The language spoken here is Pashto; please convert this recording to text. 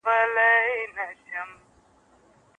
ولې دا کار ځنډېږي؟